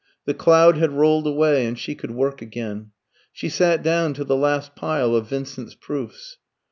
The cloud had rolled away, and she could work again. She sat down to the last pile of Vincent's proofs.